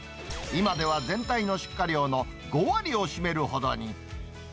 今では全体の出荷量の５割を占めるほどに。